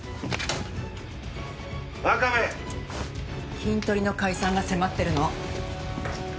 キントリの解散が迫ってるの。